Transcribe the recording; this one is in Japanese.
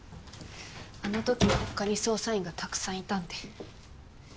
あの時は他に捜査員がたくさんいたんで。